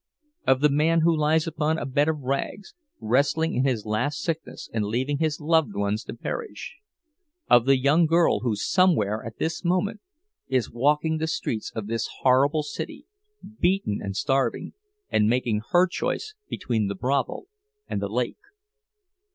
Of the man who lies upon a bed of rags, wrestling in his last sickness and leaving his loved ones to perish! Of the young girl who, somewhere at this moment, is walking the streets of this horrible city, beaten and starving, and making her choice between the brothel and the lake!